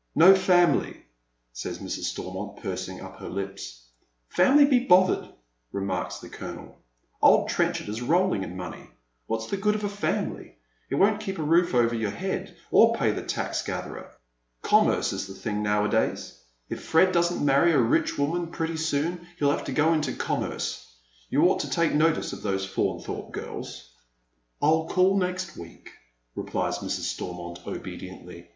" No family," says Mrs. Stormont, pursing up her lips. " Family be bothered !" remarks the colonel. " Old Trenchard is rolling in money. What's the good of family ? It won't keep a roof over your head, or pay the tax gatherer. Commerce is the thing now a days. If Fred doesn't marry a rich woman pretty Boon he'll have to go into commerce. You ought to take notice of those Faunthorpe girls." " I'll call next week," rephes Mrs. Stormont, obediently.